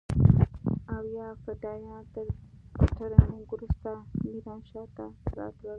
او يا فدايان تر ټرېننگ وروسته ميرانشاه ته راتلل.